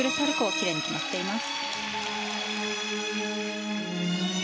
きれいに決まっています。